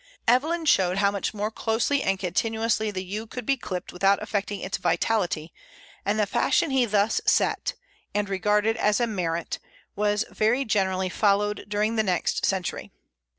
Evelyn showed how much more closely and continuously the Yew could be clipped without affecting its vitality, and the fashion he thus set and regarded as a "merit" was very generally followed during the next century.